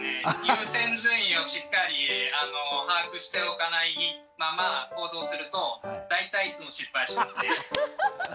優先順位をしっかり把握しておかないまま行動すると大体いつも失敗しますね。